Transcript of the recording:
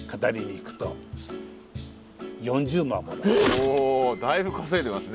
おだいぶ稼いでいますね。